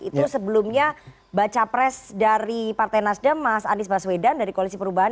itu sebelumnya baca pres dari partai nasdem mas anies baswedan dari koalisi perubahan